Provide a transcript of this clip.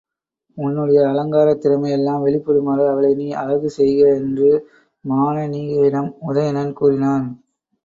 உன்னுடைய அலங்காரத் திறமை எல்லாம் வெளிப்படுமாறு அவளை நீ அழகு செய்க என்று மானனீகையிடம் உதயணன் கூறினான்.